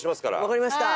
わかりました。